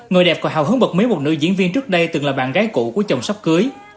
người đẹp còn hào hứng bật mấy một nữ diễn viên trước đây từng là bạn gái cũ của chồng sắp cưới